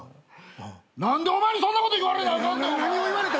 何でお前にそんなこと言われなあかんねん！